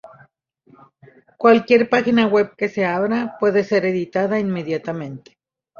Cualquier página web que se abra puede ser editada inmediatamente.